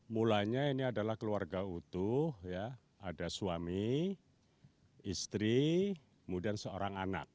mulanya ini adalah keluarga utuh ada suami istri kemudian seorang anak